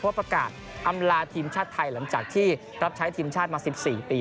เพราะประกาศอำลาทีมชาติไทยหลังจากที่รับใช้ทีมชาติมา๑๔ปี